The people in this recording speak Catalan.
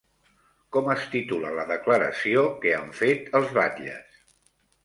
Com es titula la declaració que han fet els batlles?